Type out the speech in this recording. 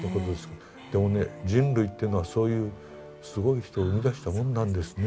でもね人類というのはそういうすごい人を生み出したもんなんですね。